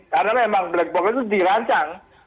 karena memang black box itu dirancang